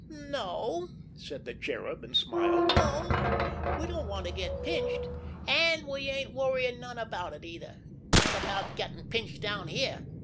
"No," said the Cherub, and smiled. "No, we don't want to get pinched—an' we ain't worryin' none about it either, not about gettin' pinched down here.